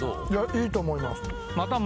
いいと思います